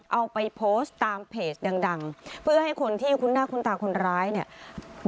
เอาไปโพสต์ตามเพจดังดังเพื่อให้คนที่คุ้นหน้าคุ้นตาคนร้ายเนี่ย